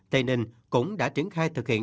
tây ninh cũng đã triển khai thực hiện